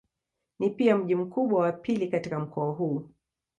Ni pia mji mkubwa wa pili katika mkoa huu.